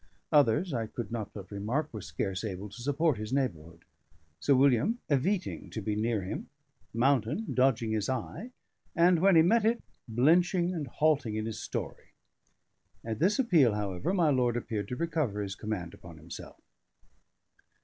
Others, I could not but remark, were scarce able to support his neighbourhood Sir William eviting to be near him, Mountain dodging his eye, and, when he met it, blenching and halting in his story. At this appeal, however, my lord appeared to recover his command upon himself.